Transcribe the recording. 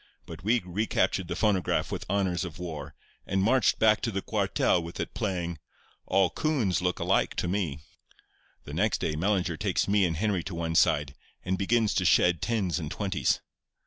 But we recaptured the phonograph with honours of war, and marched back to the cuartel with it playing 'All Coons Look Alike to Me.' "The next day Mellinger takes me and Henry to one side, and begins to shed tens and twenties.